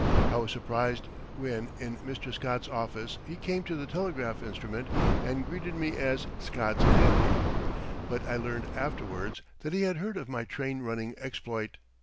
I was surprised when in Mr. Scott's office he came to the telegraph instrument and greeted me as "Scott's Andy." But I learned afterwards that he had heard of my train running exploit.